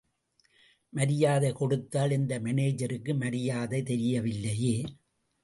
மரியாதை கொடுத்தால், இந்த மேனேஜருக்கு மரியாதை தெரியவில்லையே!